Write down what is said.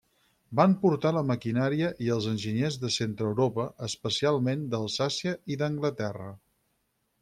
Van portar la maquinària i els enginyers de centre-Europa, especialment d'Alsàcia i d'Anglaterra.